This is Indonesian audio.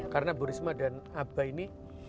karena bu risma dan aba ini